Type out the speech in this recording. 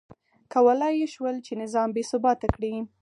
کولای یې شول چې نظام بې ثباته کړي.